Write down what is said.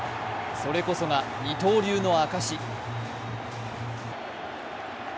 それこそが二刀流の証し。